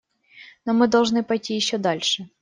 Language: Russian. Но мы должны пойти еще дальше.